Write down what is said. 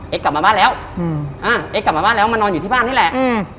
อ๋อไอกกลับมาบ้านแล้วมันนอนอยู่ที่บ้านนี่แหละ